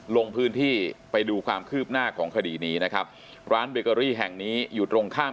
ลงพื้นที่ไปดูความคืบหน้าของคดีนี้นะครับร้านเบเกอรี่แห่งนี้อยู่ตรงข้าม